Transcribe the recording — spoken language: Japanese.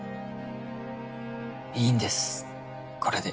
いいんですこれで。